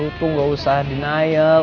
untung gak usah denial